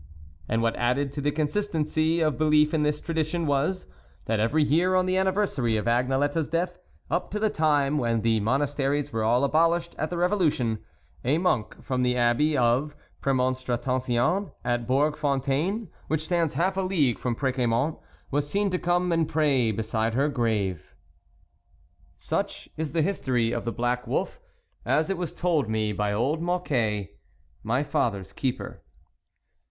And what added to the consistency of belief in this tradition was, that every year on the anniversary of Agnelette's death, up to the time when the Monas teries were all abolished at the Revolution, a monk from the Abbey of the Premonstra tensians at Bourg Fontaine, which stands half a league from Preciamont, was seen to come and pray beside her grave. Such is the history of the black wolf, as it was told me by old Mocquet, my father's keeper.